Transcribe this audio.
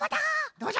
どうじゃ？